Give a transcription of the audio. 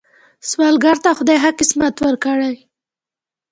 سوالګر ته خدای ښه قسمت ورکړي